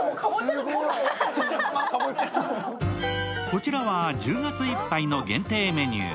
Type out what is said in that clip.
こちらは１０月いっぱいの限定メニュー